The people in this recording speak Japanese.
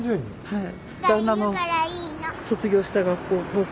はい。